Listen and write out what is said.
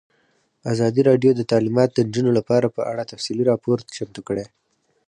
ازادي راډیو د تعلیمات د نجونو لپاره په اړه تفصیلي راپور چمتو کړی.